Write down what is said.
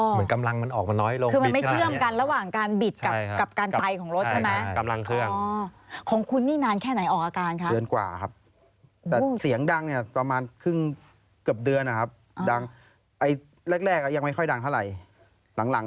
เหมือนกำลังมันออกมาน้อยลง